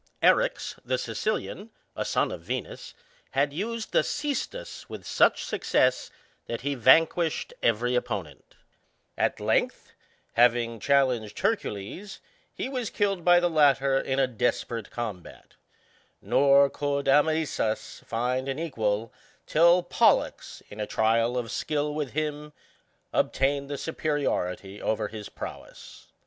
Erix, the Sicilian^ a son of Venus^ had used the ccestus with such success^ that he vanquished every opponent; at length, having challenged Hercules^ he was killed by the latter in a desperate combat: nor could Amycus find an equals till Polltix, in a trial of skill with him^ obtained the superiority over his prowess.